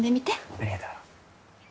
ありがとう。